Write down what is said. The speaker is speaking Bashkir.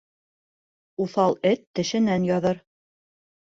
Уҫал эт тешенән яҙыр